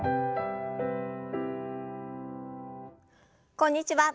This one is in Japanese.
こんにちは。